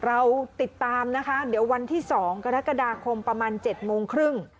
เราติดตามนะคะเดี๋ยววันที่๒กรกฎาคมประมาณ๗โมงครึ่ง